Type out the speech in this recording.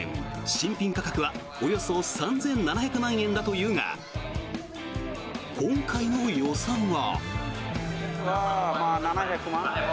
新品価格はおよそ３７００万円だというが今回の予算は。